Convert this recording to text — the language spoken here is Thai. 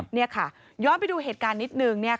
นี่ค่ะย้อนไปดูเหตุการณ์นิดนึง